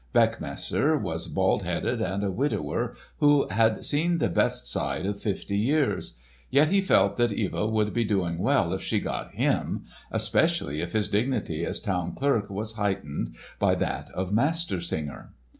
Beckmesser was bald headed and a widower who had seen the best side of fifty years, yet he felt that Eva would be doing well if she got him, especially if his dignity as town clerk was heightened by that of Master Singer.